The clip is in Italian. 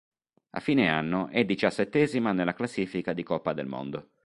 A fine anno è diciassettesima nella classifica di Coppa del mondo.